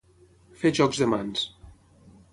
Fer jocs de mans.